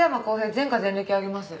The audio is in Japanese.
前科・前歴あります。